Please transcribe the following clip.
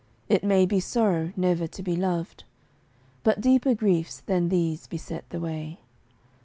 It may be sorrow never to be loved, But deeper griefs than these beset the way.